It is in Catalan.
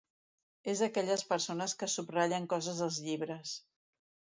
És d'aquelles persones que subratllen coses als llibres.